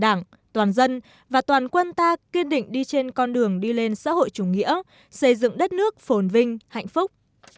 đảng toàn dân và toàn quân ta kiên định đi trên con đường đi lên xã hội chủ nghĩa xây dựng đất nước phồn vinh hạnh phúc